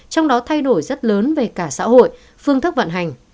trong đó thay đổi rất lớn về cả xã hội phương thức vận hành